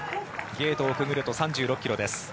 ゲートをくぐると３６ｋｍです。